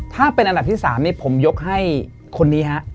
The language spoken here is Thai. ถ้าเป็นอันดับที่๓นี่ผมยกให้คนนี้ฮะ